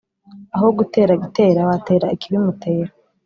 Aho gutera Gitera watera ikibimutera.